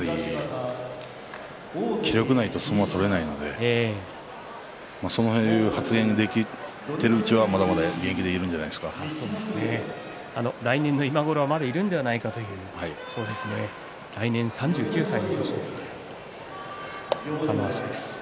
気力がないと相撲は取れないのでそういう発言ができているうちはまだまだ現役でいるんじゃ来年の今頃はまだいるのではないかと来年３９歳ですね。